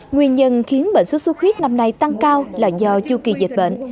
nguyên nhân khiến bệnh suốt suốt huyết năm nay tăng cao là do chu kỳ dịch bệnh